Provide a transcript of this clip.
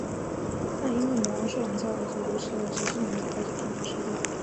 但因为魔王睡懒觉而足足迟了十四年才开始征服世界。